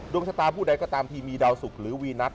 ชะตาผู้ใดก็ตามทีมีดาวสุกหรือวีนัท